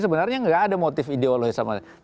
sebenarnya gak ada motif ideologis sama lain